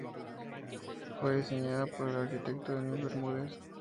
Fue diseñada por el arquitecto Daniel Bermúdez.